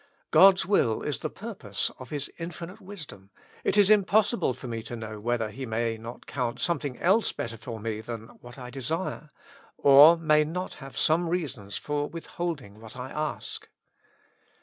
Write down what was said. God's will is the pur pose of His infinite wisdom : it is impossible for me to know whether He may not count something else better for me than what I desire, or may not have some reasons for withholding what I ask.